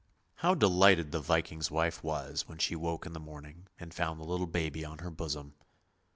" How delighted the Viking's wife was when she woke in the morning and found the little baby on her bosom.